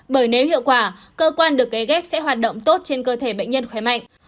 bởi nếu hiệu quả cơ quan được cấy ghép sẽ hoạt động tốt trên cơ thể bệnh nhân khỏe mạnh